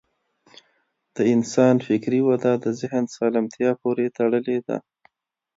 د انسان فکري وده د ذهن سالمتیا پورې تړلې ده.